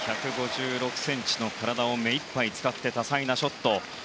１５６ｃｍの体を目いっぱい使って多彩なショット。